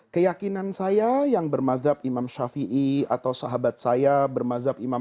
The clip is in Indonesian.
keyakinan saya yang bermazhab imam shafi'i atau sahabat saya bermazhab imam